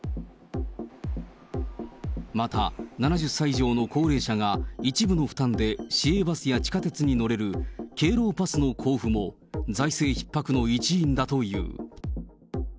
また、７０歳以上の高齢者が一部の負担で市営バスや地下鉄に乗れる敬老パスの交付も、財政ひっ迫の一因だという。